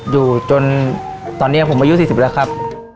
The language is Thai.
อยู่จนตอนนี้ผมอายุ๔๐แล้วครับ